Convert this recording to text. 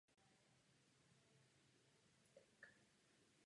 Své největší úspěchy zaznamenala na halovém mistrovství Evropy.